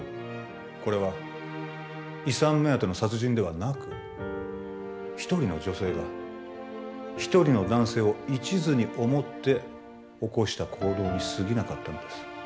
これは遺産目当ての殺人ではなく一人の女性が一人の男性を一途に思って起こした行動にすぎなかったんです